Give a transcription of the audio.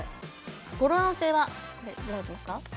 語呂合わせはどうなってますか？